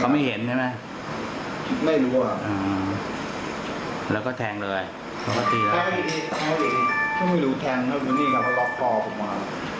ไม่รู้แทงก็ดูนี่ครับเพราะล็อกคอผมมา